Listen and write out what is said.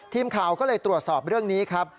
ทีมข่าวก็เลยตรวจสอบเรื่องนี้ครับ